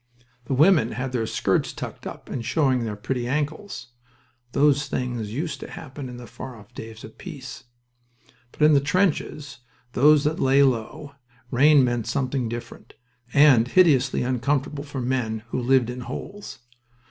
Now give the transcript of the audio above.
The women had their skirts tucked up and showed their pretty ankles. (Those things used to happen in the far off days of peace.) But in the trenches, those that lay low, rain meant something different, and hideously uncomfortable for men who lived in holes.